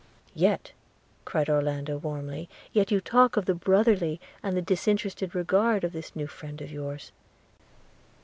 'Yet,' cried Orlando warmly, 'yet you talk of the brotherly and the disinterested regard of this new friend of yours.'